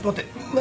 何？